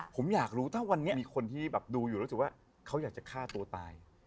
ผมอยากรู้ถ้าวันนี้มีคนที่แบบดูอยู่รู้สึกว่าเขาอยากจะฆ่าตัวตาย